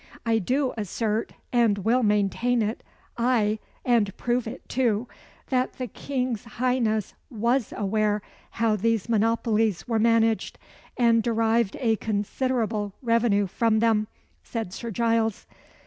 "I do assert, and will maintain it ay, and prove it, too that the King's Highness was aware how these monopolies were managed, and derived a considerable revenue from them," said Sir Giles.